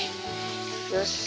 よし。